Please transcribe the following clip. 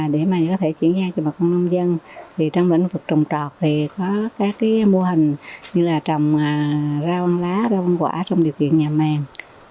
để có thể chuyển giao cho mọi người nông dân trong lĩnh vực trồng trọt thì có các mô hình như là trồng rau ăn lá rau ăn quả trong địa kiện nhà màng